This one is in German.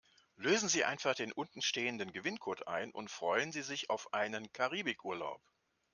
Lösen Sie einfach den unten stehenden Gewinncode ein und freuen Sie sich auf einen Karibikurlaub.